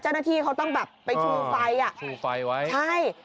เจ้าหน้าที่เขาต้องแบบไปชูไฟอ่ะชูไฟไว้ใช่